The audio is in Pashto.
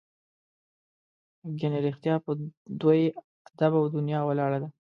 ګنې رښتیا په دوی ادب او دنیا ولاړه ده.